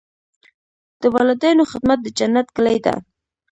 د والدینو خدمت د جنت کلي ده.